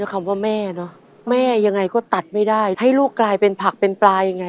จนถึงวันนี้มาม้ามีเงิน๔ปี